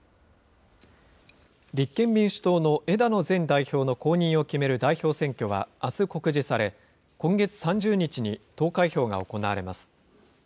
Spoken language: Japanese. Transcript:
立憲民主党の枝野前代表の後任を決める代表選挙はあす告示され、今月３０日に投開票が行われます。